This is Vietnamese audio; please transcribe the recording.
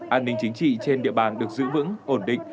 an ninh chính trị trên địa bàn được giữ vững ổn định